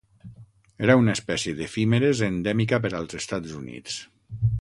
Era una espècie d'efímeres endèmica per als Estats Units.